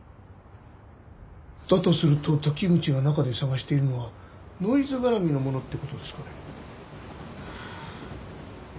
だとすると滝口が中で探しているのはノイズ絡みのものって事ですかね？